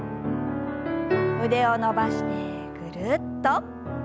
腕を伸ばしてぐるっと。